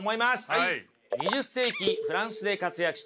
はい。